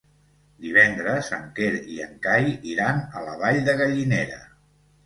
Divendres en Quer i en Cai iran a la Vall de Gallinera.